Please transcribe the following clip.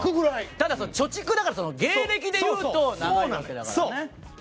ただ、貯蓄だから芸歴でいうと長いからね。